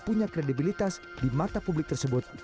punya kredibilitas di mata publik tersebut